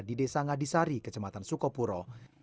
di desa ngadisari kecamatan sukopuro